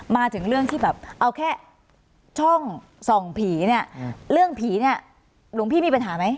มาถึงเรื่องที่แบบเอาแค่ช่องส่องผีเนี่ยเรื่องผีเนี่ยหลวงพี่มีปัญหาไหม